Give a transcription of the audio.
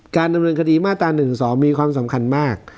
การดำเนินคดีมาตรา๑๒มีความสำคัญมาก